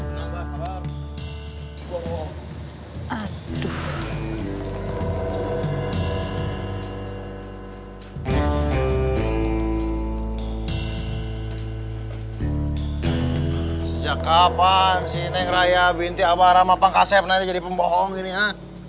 sejak kapan sih neng raya binti abah rama pangkasep nanti jadi pembohong gini ha